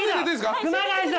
熊谷さん。